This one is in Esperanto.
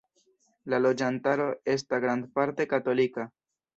La loĝantaro esta grandparte katolika.